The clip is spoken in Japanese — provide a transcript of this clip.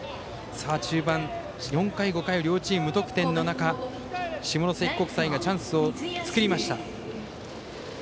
中盤４回、５回両チーム無得点の中下関国際がチャンスを作りました。